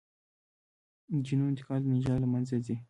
جینونو انتقال د نژاد له منځه ځي.